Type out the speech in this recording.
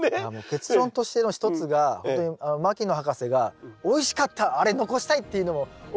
結論としての一つが本当に牧野博士が「おいしかった！あれ残したい」っていうのも一つあると思うんですよ。